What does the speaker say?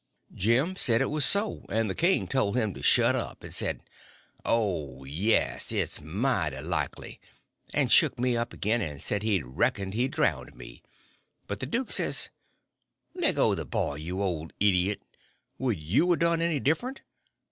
Jim said it was so; and the king told him to shut up, and said, "Oh, yes, it's mighty likely!" and shook me up again, and said he reckoned he'd drownd me. But the duke says: "Leggo the boy, you old idiot! Would you a done any different?